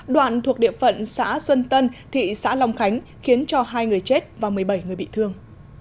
đoạn thuộc địa phận xã xuân tân thị xã long khánh khiến cho hai người chết và một mươi bảy người bị thương